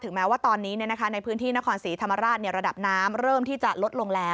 แม้ว่าตอนนี้ในพื้นที่นครศรีธรรมราชระดับน้ำเริ่มที่จะลดลงแล้ว